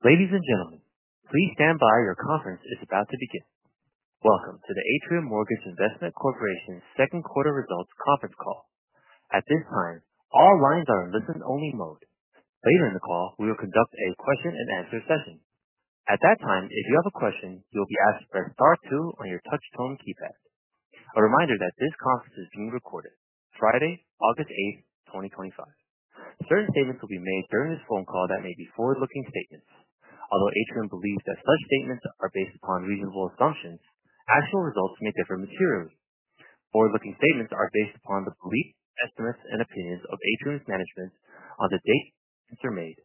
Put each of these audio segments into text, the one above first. Ladies and gentlemen, please stand by. Your conference is about to begin. Welcome to the Atrium Mortgage Investment Corporation's Second Quarter Results Conference Call. At this time, all lines are in listen-only mode. Later in the call, we will conduct a question and answer session. At that time, if you have a question, you'll be asked by star two on your touch-tone keypad. A reminder that this conference is being recorded. Friday, August 8, 2025. Certain statements will be made during this phone call that may be forward-looking statements. Although Atrium believes that such statements are based upon reasonable assumptions, actual results may differ materially. Forward-looking statements are based upon the beliefs, estimates, and opinions of Atrium's management on the date statements are made.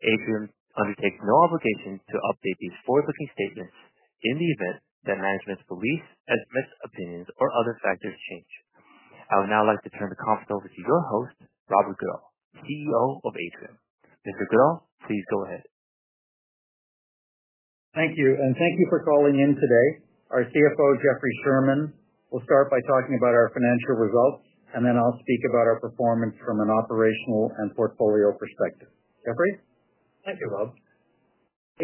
Atrium undertakes no obligation to update these forward-looking statements in the event that management's beliefs, estimates, opinions, or other factors change. I would now like to turn the conference over to your host, Robert Goodall, CEO of Atrium. Mr. Goodall, please go ahead. Thank you, and thank you for calling in today. Our CFO, Jeffrey Sherman, will start by talking about our financial results, and then I'll speak about our performance from an operational and portfolio perspective. Jeffrey? Thank you, Bob.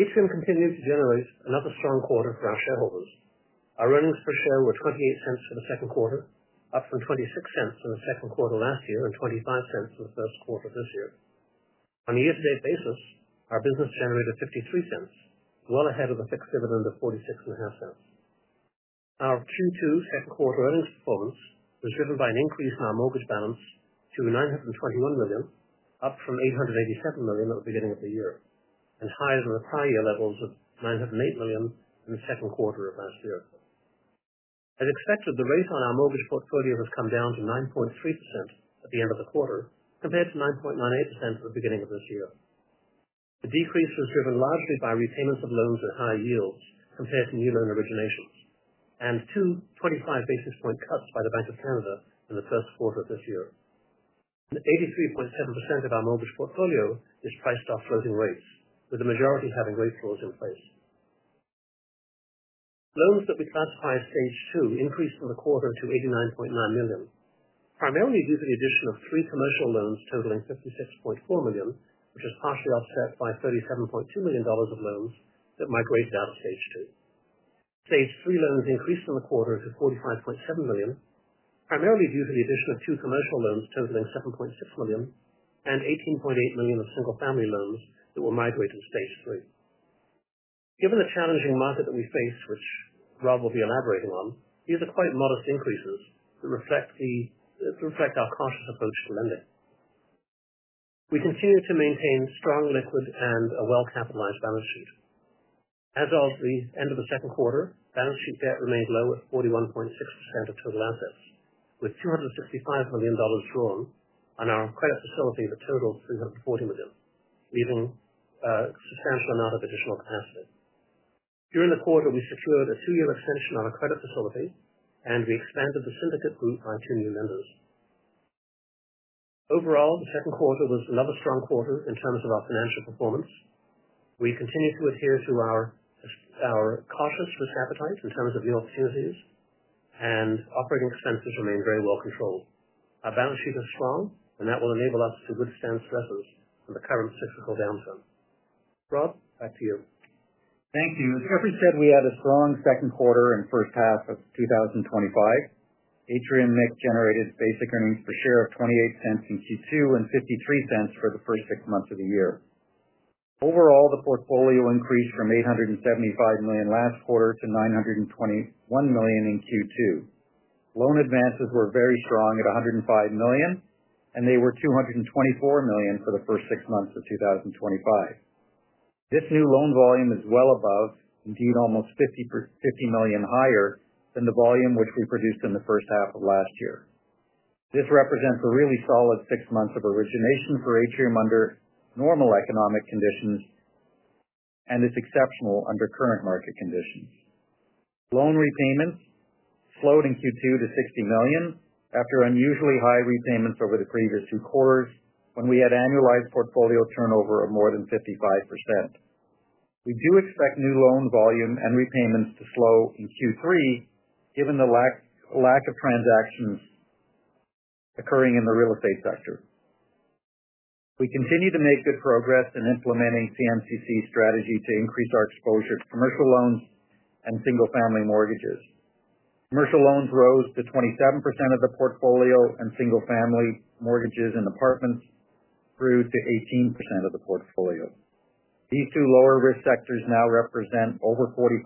Atrium continues to generate another strong quarter for our shareholders. Our earnings per share were $0.28 in the second quarter, up from $0.26 in the second quarter last year and $0.25 in the first quarter of this year. On a year-to-date basis, our business share is at $0.53, well ahead of the fixed dividend of $0.465. Our Q2 second quarter earnings performance was driven by an increase in our mortgage balance to $921 million, up from $887 million at the beginning of the year, and higher than the prior year levels of $908 million in the second quarter of last year. As expected, the rate on our mortgage portfolio has come down to 9.3% at the end of the quarter, compared to 9.98% at the beginning of this year. The decrease was driven largely by retainments of loans at high yield compared to new loan origination, and two 25 basis point cuts by the Bank of Canada in the first quarter of this year. 83.7% of our mortgage portfolio is priced off floating rates, with the majority having rate floors in place. Loans that we classify as stage two increased in the quarter to $89.9 million, primarily due to the addition of three commercial loans totaling $56.4 million, which is partially offset by $37.2 million of loans that migrated out of stage two. Stage three loans increased in the quarter to $45.7 million, primarily due to the addition of two commercial loans totaling $7.6 million and $18.8 million of single-family loans that were migrated to stage three. Given the challenging market that we face, which Rob will be elaborating on, these are quite modest increases that reflect our cautious approach to lending. We continue to maintain strong liquidity and a well-capitalized balance sheet. As of the end of the second quarter, balance sheet debt remained low at 41.6% of total assets, with $265 million drawn on our credit facility that totals $340 million, leaving a substantial amount of additional capacity. During the quarter, we secured a three-year extension on our credit facility, and we expanded the syndicate group by 10 new members. Overall, the second quarter was another strong quarter in terms of our financial performance. We continue to adhere to our cautious risk appetite in terms of new opportunities, and operating expenses remain very well controlled. Our balance sheet is strong, and that will enable us to withstand stresses in the current cyclical downturn. Rob, back to you. Thank you. As Jeffrey said, we had a strong second quarter and first half of 2025. Atrium Mortgage Investment Corporation generated basic earnings per share of $0.28 in Q2 and $0.53 for the first six months of the year. Overall, the portfolio increased from $875 million last quarter to $921 million in Q2. Loan advances were very strong at $105 million, and they were $224 million for the first six months of 2025. This new loan volume is well above, indeed almost $50 million higher than the volume which we produced in the first half of last year. This represents a really solid six months of origination for Atrium Mortgage Investment Corporation under normal economic conditions, and it's exceptional under current market conditions. Loan repayments slowed in Q2 to $60 million after unusually high repayments over the previous two quarters, when we had annualized portfolio turnover of more than 55%. We do expect new loan volume and repayments to slow in Q3, given the lack of transactions occurring in the real estate sector. We continue to make good progress in implementing CMCC strategy to increase our exposure to commercial loans and single-family mortgages. Commercial loans rose to 27% of the portfolio, and single-family mortgages and apartments grew to 18% of the portfolio. These two lower risk sectors now represent over 45%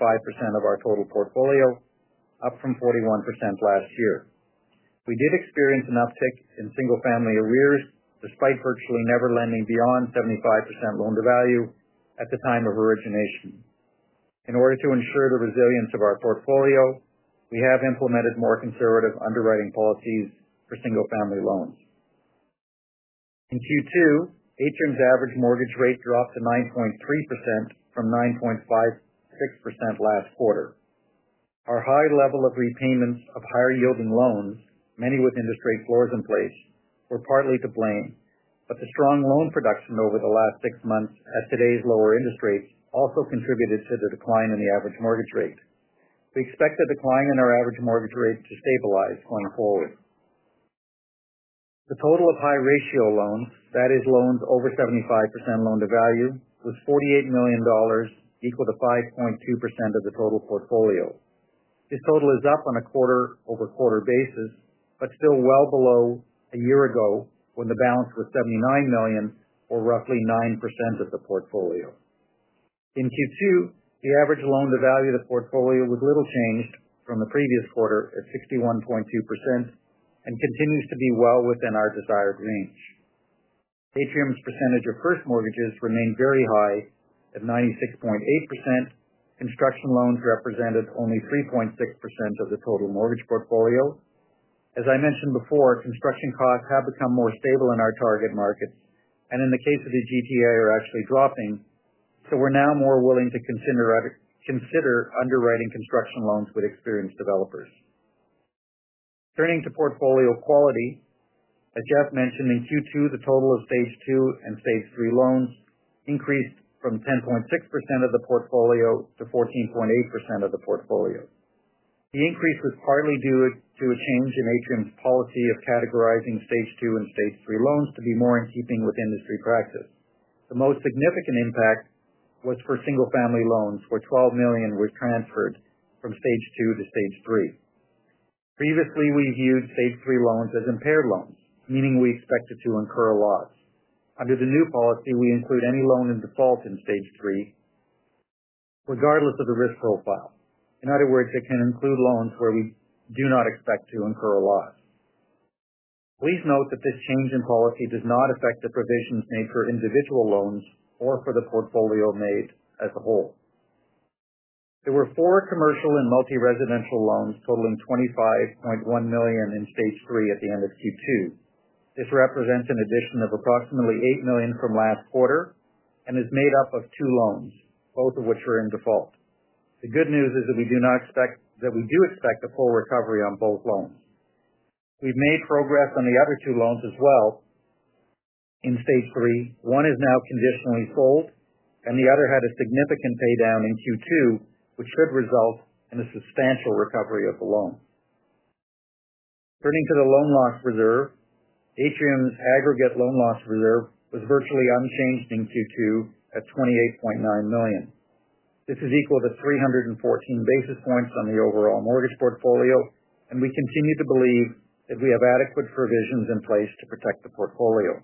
of our total portfolio, up from 41% last year. We did experience an uptick in single-family arrears despite virtually never lending beyond 75% loan-to-value at the time of origination. In order to ensure the resilience of our portfolio, we have implemented more conservative underwriting policies for single-family loans. In Q2, Atrium's average mortgage rate dropped to 9.3% from 9.56% last quarter. Our high level of repayments of higher-yielding loans, many with interest rate floors in place, were partly to blame, but the strong loan production over the last six months at today's lower interest rates also contributed to the decline in the average mortgage rate. We expect the decline in our average mortgage rate to stabilize going forward. The total of high ratio loans, that is, loans over 75% loan-to-value, was $48 million, equal to 5.2% of the total portfolio. This total is up on a quarter-over-quarter basis, but still well below a year ago when the balance was $79 million, or roughly 9% of the portfolio. In Q2, the average loan-to-value of the portfolio was little changed from the previous quarter at 61.2% and continues to be well within our desired range. Atrium's percentage of first mortgages remained very high at 96.8%. Construction loans represented only 3.6% of the total mortgage portfolio. As I mentioned before, construction costs have become more stable in our target market, and in the case of the GTA, they're actually dropping. We are now more willing to consider underwriting construction loans with experienced developers. Turning to portfolio quality, as Jeff mentioned, in Q2, the total of stage two and stage three loans increased from 10.6% of the portfolio to 14.8% of the portfolio. The increase was partly due to a change in Atrium's policy of categorizing stage two and stage three loans to be more in keeping with industry practice. The most significant impact was for single-family loans, where $12 million were transferred from stage two to stage three. Previously, we viewed stage three loans as impaired loans, meaning we expected to incur a loss. Under the new policy, we include any loan in default in stage three, regardless of the risk profile. In other words, it can include loans where we do not expect to incur a loss. Please note that this change in policy does not affect the provisions made for individual loans or for the portfolio made as a whole. There were four commercial and multi-residential loans totaling $25.1 million in stage three at the end of Q2. This represents an addition of approximately $8 million from last quarter and is made up of two loans, both of which are in default. The good news is that we do expect a full recovery on both loans. We've made progress on the other two loans as well in stage three. One is now conditionally sold, and the other had a significant paydown in Q2, which should result in a substantial recovery of the loan. Turning to the loan loss reserve, Atrium's aggregate loan loss reserve was virtually unchanged in Q2 at $28.9 million. This is equal to 314 basis points on the overall mortgage portfolio, and we continue to believe that we have adequate provisions in place to protect the portfolio.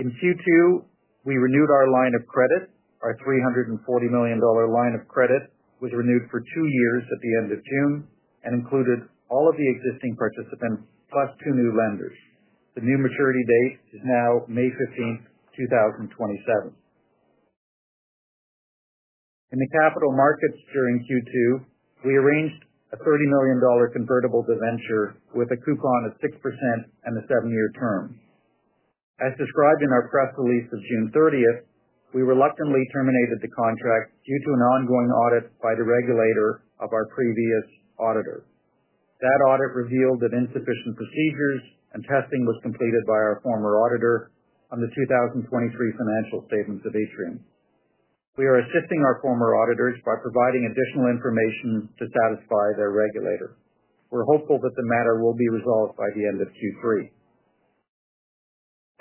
In Q2, we renewed our line of credit. Our $340 million line of credit was renewed for two years at the end of June and included all of the existing participants plus two new lenders. The new maturity date is now May 15, 2027. In the capital markets during Q2, we arranged a $30 million convertible debenture with a coupon of 6% and a seven-year term. As described in our press release of June 30, we reluctantly terminated the contract due to an ongoing audit by the regulator of our previous auditor. That audit revealed that insufficient procedures and testing were completed by our former auditor on the 2023 financial statements of Atrium Mortgage Investment Corporation. We are assisting our former auditors by providing additional information to satisfy their regulator. We're hopeful that the matter will be resolved by the end of Q3.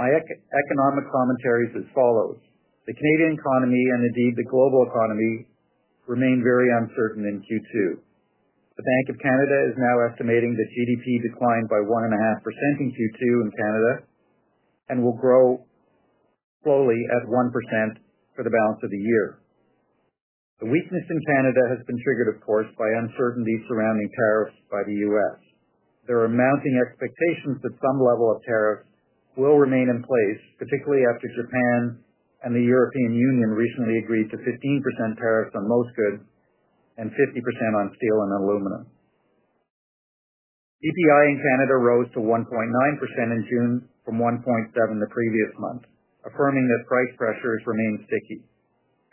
My economic commentary is as follows: the Canadian economy, and indeed the global economy, remained very uncertain in Q2. The Bank of Canada is now estimating the GDP declined by 1.5% in Q2 in Canada and will grow slowly at 1% for the balance of the year. The weakness in Canada has been triggered, of course, by uncertainty surrounding tariffs by the U.S. There are mounting expectations that some level of tariff will remain in place, particularly after Japan and the European Union recently agreed to 15% tariffs on most goods and 50% on steel and aluminum. CPI in Canada rose to 1.9% in June from 1.7% the previous month, affirming that price pressures remain sticky.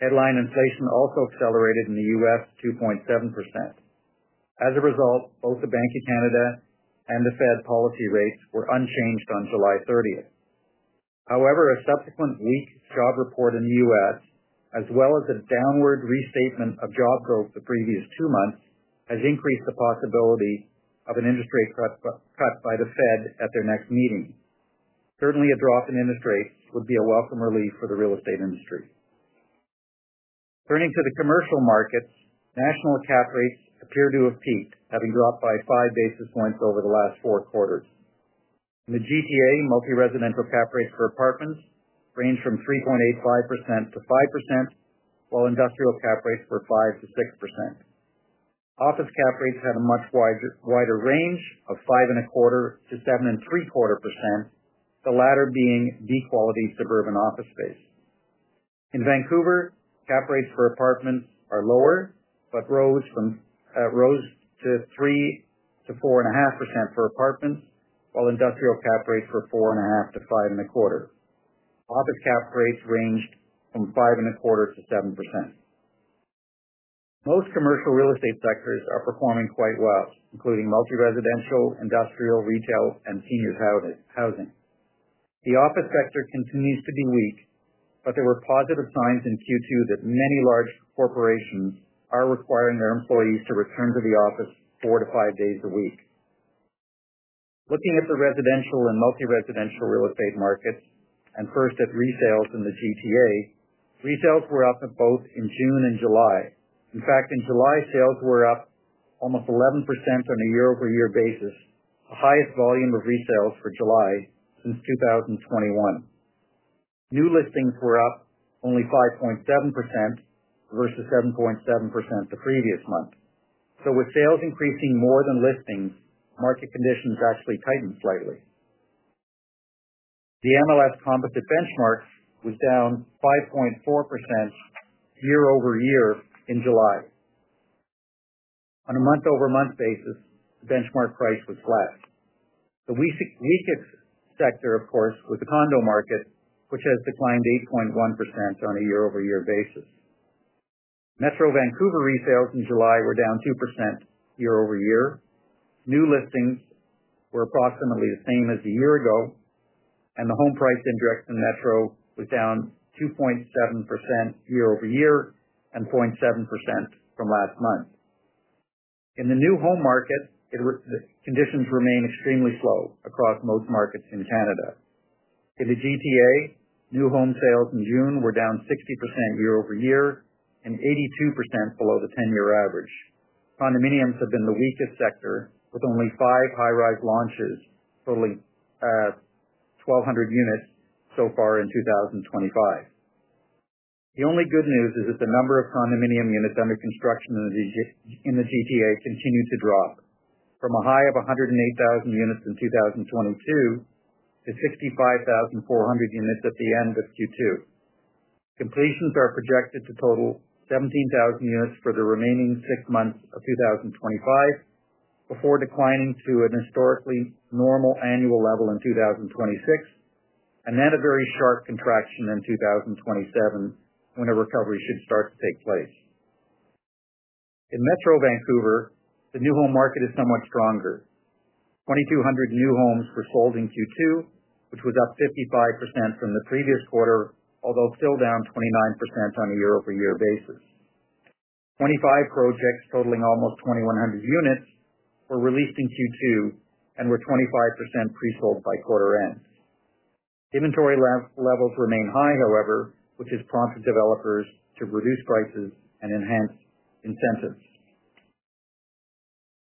Headline inflation also accelerated in the U.S. to 2.7%. As a result, both the Bank of Canada and the Fed policy rates were unchanged on July 30. However, a subsequent weak job report in the U.S., as well as a downward restatement of job growth the previous two months, has increased the possibility of an interest rate cut by the Fed at their next meeting. Certainly, a drop in interest rates would be a welcome relief for the real estate industry. Turning to the commercial markets, national cap rates appear to have peaked, having dropped by five basis points over the last four quarters. In the GTA, multi-residential cap rates for apartments range from 3.85%-5%, while industrial cap rates were 5%-6%. Office cap rates had a much wider range of 5.25%-7.25%, the latter being deep quality suburban office space. In Vancouver, cap rates for apartments are lower but rose to 3%-4.5% for apartments, while industrial cap rates were 4.5%-5.25%. Office cap rates ranged from 5.25%-7%. Most commercial real estate sectors are performing quite well, including multi-residential, industrial, retail, and senior housing. The office sector continues to be weak, but there were positive signs in Q2 that many large corporations are requiring their employees to return to the office four to five days a week. Looking at the residential and multi-residential real estate markets, and first at resales in the GTA, resales were up both in June and July. In fact, in July, sales were up almost 11% on a year-over-year basis, the highest volume of resales for July since 2021. New listings were up only 5.7% versus 7.7% the previous month. With sales increasing more than listings, market conditions actually tightened slightly. The MLS composite benchmark was down 5.4% year-over-year in July. On a month-over-month basis, the benchmark price was flat. The weakest sector, of course, was the condo market, which has declined 8.1% on a year-over-year basis. Metro Vancouver resales in July were down 2% year-over-year. New listings were approximately the same as a year ago, and the home price in metro was down 2.7% year-over-year and 0.7% from last month. In the new home market, conditions remain extremely slow across most markets in Canada. In the GTA, new home sales in June were down 60% year-over-year and 82% below the 10-year average. Condominiums have been the weakest sector, with only five high-rise launches totaling 1,200 units so far in 2025. The only good news is that the number of condominium units under construction in the GTA continued to drop, from a high of 108,000 units in 2022 to 65,400 units at the end of Q2. Completions are projected to total 17,000 units for the remaining six months of 2025, before declining to a historically normal annual level in 2026, and then a very sharp contraction in 2027 when a recovery should start to take place. In Metro Vancouver, the new home market is somewhat stronger. 2,200 new homes were sold in Q2, which was up 55% from the previous quarter, although still down 29% on a year-over-year basis. 25 projects totaling almost 2,100 units were released in Q2 and were 25% pre-sold by quarter end. The inventory levels remain high, however, which has prompted developers to reduce prices and enhance incentives.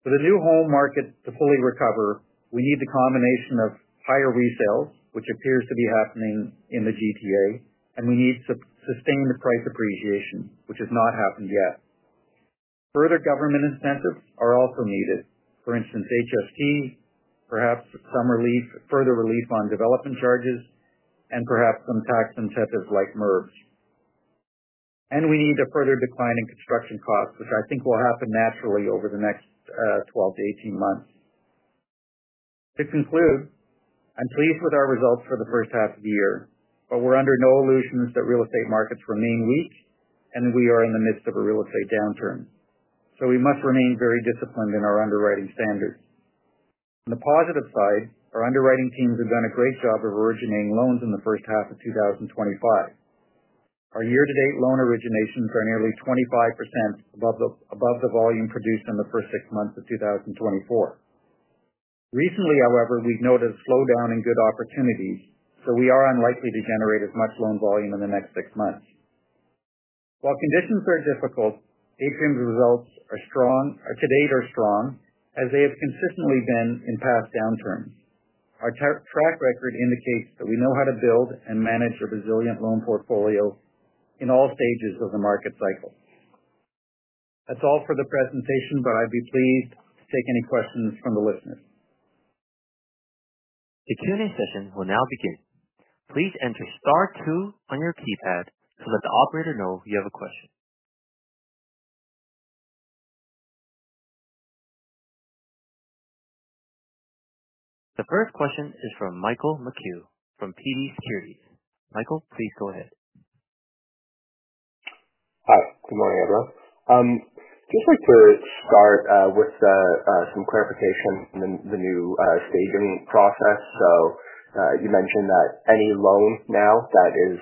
For the new home market to fully recover, we need the combination of higher resales, which appears to be happening in the GTA, and we need to sustain the price appreciation, which has not happened yet. Further government incentives are also needed. For instance, HST, perhaps some relief, further relief on development charges, and perhaps some tax incentives like MRRs. We need a further decline in construction costs, which I think will happen naturally over the next 12-18 months. To conclude, I'm pleased with our results for the first half of the year, but we're under no illusions that real estate markets remain weak and we are in the midst of a real estate downturn. We must remain very disciplined in our underwriting standards. On the positive side, our underwriting teams have done a great job of originating loans in the first half of 2025. Our year-to-date loan originations are nearly 25% above the volume produced in the first six months of 2024. Recently, however, we've noted a slowdown in good opportunities, so we are unlikely to generate as much loan volume in the next six months. While conditions are difficult, Atrium's results are strong, to date are strong, as they have consistently been in past downturns. Our track record indicates that we know how to build and manage a resilient loan portfolio in all stages of the market cycle. That's all for the presentation, but I'd be pleased to take any questions from the listeners. The Q&A session will now begin. Please enter Star two on your keypad so that the operator knows you have a question. The first question is from Michael McHugh from PV Securities. Michael, please go ahead. Hi. Good morning, everyone. I'd just like to start with some clarification on the new staging process. You mentioned that any loan now that is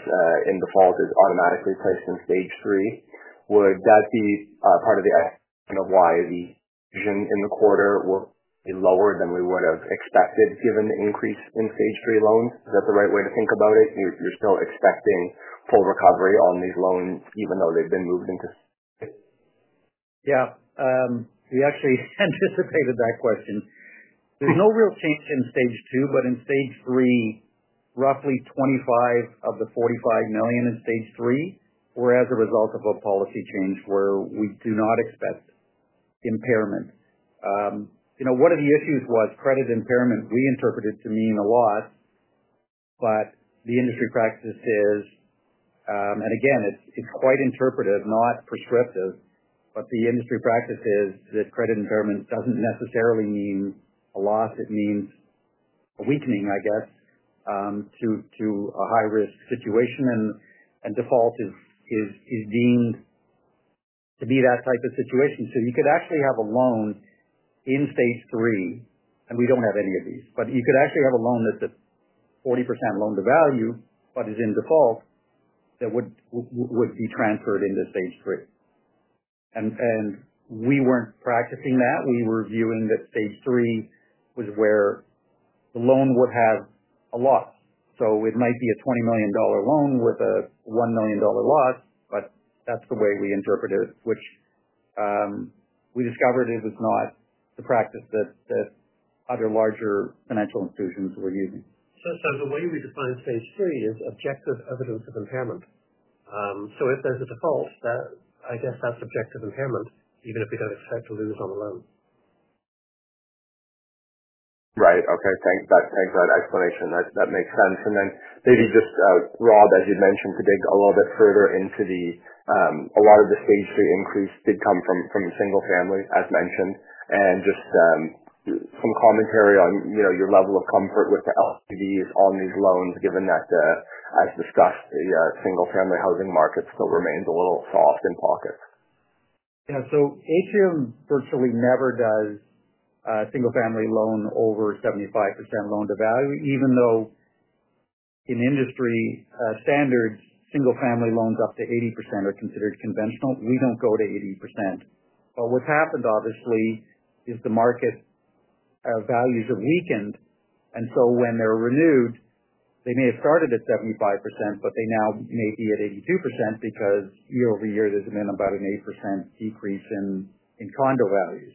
in default is automatically placed in stage three. Would that be part of the reason why the provision in the quarter will be lower than we would have expected given the increase in stage three loans? Is that the right way to think about it? You're still expecting full recovery on these loans even though they've been moved into stage three? Yeah. We actually anticipated that question. There's no real change in stage two, but in stage three, roughly $25 million of the $45 million in stage three were as a result of a policy change where we do not expect impairment. One of the issues was credit impairment. We interpreted it to mean a loss, but the industry practice is, and again, it's quite interpretive, not prescriptive, but the industry practice is that credit impairment doesn't necessarily mean a loss. It means a weakening, I guess, to a high-risk situation, and default is deemed to be that type of situation. You could actually have a loan in stage three, and we don't have any of these, but you could actually have a loan that's at 40% loan-to-value but is in default that would be transferred into stage three. We weren't practicing that. We were viewing that stage three was where the loan would have a loss. It might be a $20 million loan with a $1 million loss, but that's the way we interpreted it, which we discovered was not the practice that other larger financial institutions were using. The way we define phase three is objective evidence of impairment. If there's a default, I guess that's objective impairment, even if we don't expect to lose on the loan. Right. Okay. Thanks for that explanation. That makes sense. Rob, as you mentioned, to dig a little bit further into the, a lot of the stage three increase did come from single-family, as mentioned, and just some commentary on your level of comfort with the LTVs on these loans, given that, as discussed, the single-family housing market still remains a little soft in pockets. Yeah. Atrium virtually never does a single-family loan over 75% loan-to-value, even though in industry standards, single-family loans up to 80% are considered conventional. We don't go to 80%. What's happened, obviously, is the market values have weakened. When they're renewed, they may have started at 75%, but they now may be at 82% because year-over-year, there's been about an 8% decrease in condo values.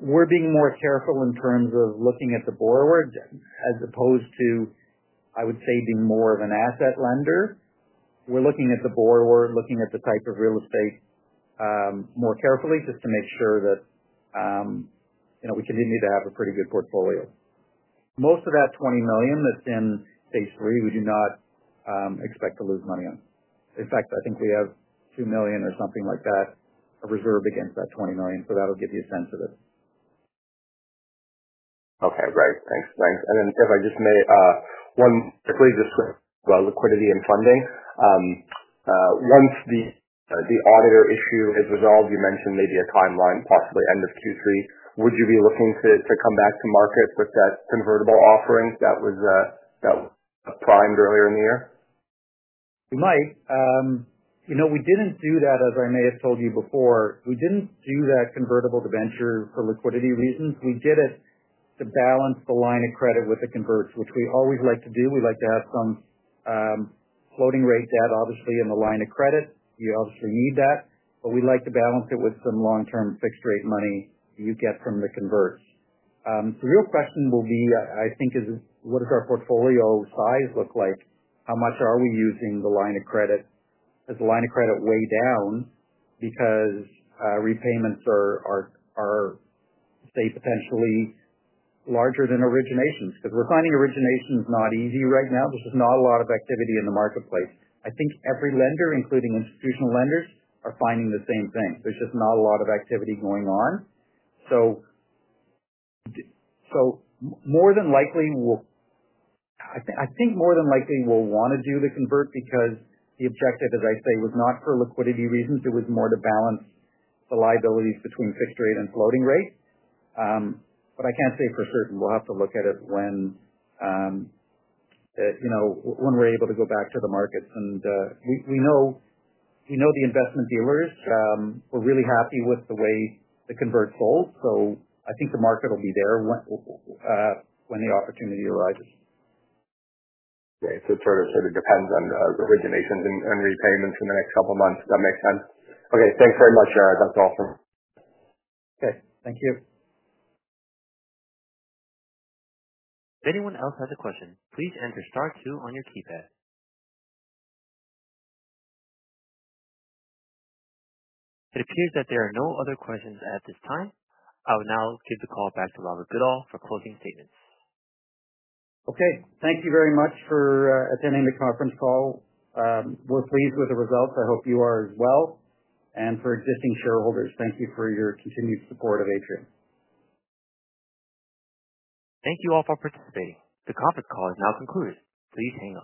We're being more careful in terms of looking at the borrower as opposed to, I would say, being more of an asset lender. We're looking at the borrower, looking at the type of real estate more carefully just to make sure that we continue to have a pretty good portfolio. Most of that $20 million that's in phase three, we do not expect to lose money on. In fact, I think we have $2 million or something like that of reserve against that $20 million. That'll give you a sense of it. Okay. Great. Thanks. If I just may, one quickly just about liquidity and funding. Once the audit issue is resolved, you mentioned maybe a timeline, possibly end of Q3. Would you be looking to come back to markets with that convertible debenture offering that was primed earlier in the year? We might. You know, we didn't do that, as I may have told you before. We didn't do that convertible debenture for liquidity reasons. We did it to balance the line of credit with the converts, which we always like to do. We like to have some floating rates, obviously, in the line of credit. We obviously need that, but we like to balance it with some long-term fixed-rate money you get from the converts. The real question will be, I think, is what does our portfolio size look like? How much are we using the line of credit? Is the line of credit way down because repayments are staying potentially larger than originations? We're finding originations not easy right now. There is not a lot of activity in the marketplace. I think every lender, including institutional lenders, are finding the same thing. There is just not a lot of activity going on. More than likely, I think more than likely we'll want to do the convert because the objective, as I say, was not for liquidity reasons. It was more to balance the liabilities between fixed rate and floating rate. I can't say for certain. We'll have to look at it when we're able to go back to the markets. We know the investment dealers were really happy with the way the convert sold. I think the market will be there when the opportunity arises. It sort of depends on the originations and repayments in the next couple of months. That makes sense. Thanks very much. That's awesome. Okay, thank you. If anyone else has a question, please enter star two on your keypad. It appears that there are no other questions at this time. I will now give the call back to Robert Goodall for closing statements. Okay. Thank you very much for attending the conference call. We're pleased with the results. I hope you are as well. For existing shareholders, thank you for your continued support of Atrium. Thank you all for participating. The conference call is now concluded. Please hang up.